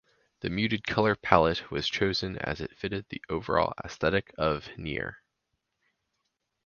The muted color pallette was chosen as it fitted the overall aesthetic of "Nier".